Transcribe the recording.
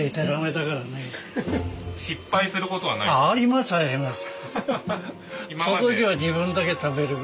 ありますあります。